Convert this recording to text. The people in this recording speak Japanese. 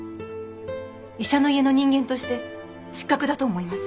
医者の家の人間として失格だと思います。